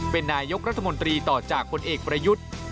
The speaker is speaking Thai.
เป็นนายกรัฐมนตรีต่อจากผลเอกประยุทธ์